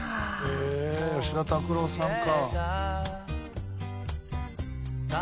へえ吉田拓郎さんか。